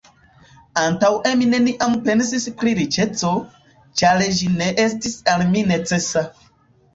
Antaŭe mi neniam pensis pri riĉeco, ĉar ĝi ne estis al mi necesa.